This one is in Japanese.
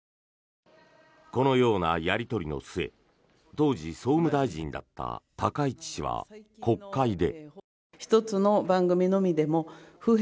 このようなやり取りの末当時、総務大臣だった高市氏は国会で。